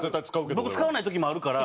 僕使わない時もあるから。